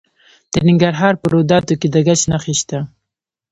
د ننګرهار په روداتو کې د ګچ نښې شته.